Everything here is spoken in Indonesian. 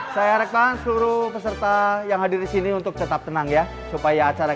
saya harapkan seluruh peserta yang hadir di sini untuk tetap tenang ya supaya acara